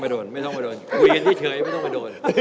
ไม่ต้องไปโดนคุยกันเฉยไม่ต้องไปโดน